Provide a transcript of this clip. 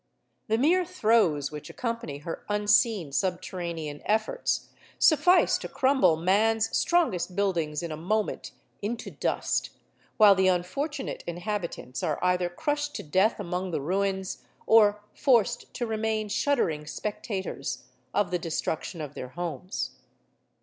The mere throes which accompany her unseen subterranean efforts suffice to crumble man's strongest buildings in a moment into dust, while the unfortunate inhabitants are either crushed to death among the ruins, or forced to remain shuddering spectators of the destruction of their homes.